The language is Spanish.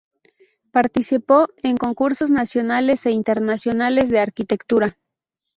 Participó en concursos nacionales e internacionales de arquitectura.